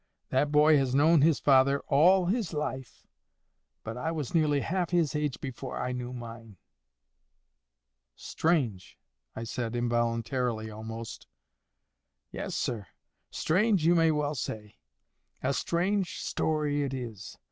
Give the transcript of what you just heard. That boy has known his father all his life; but I was nearly half his age before I knew mine." "Strange!" I said, involuntarily almost. "Yes, sir; strange you may well say. A strange story it is.